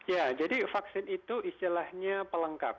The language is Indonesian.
ya jadi vaksin itu istilahnya pelengkap